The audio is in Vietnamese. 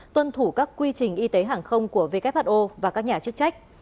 tuân thủ các quy trình y tế hàng không của who và các nhà chức trách